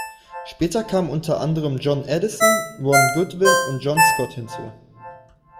Später kamen unter anderem John Addison, Ron Goodwin und John Scott hinzu.